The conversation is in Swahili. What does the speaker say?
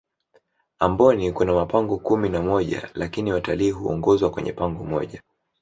amboni Kuna mapango kumi na moja lakini watilii huongozwa kwenye pango moja